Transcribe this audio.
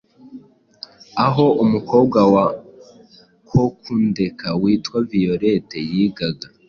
aho umukobwa wa Kokundeka witwa Violet yigaga,